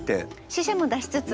死者も出しつつ。